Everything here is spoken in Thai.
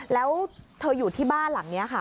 แล้วเธออยู่ที่บ้านหลังนี้ค่ะ